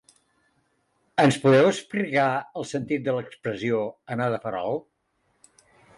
Ens podeu explicar el sentit de l’expressió ‘anar de farol’.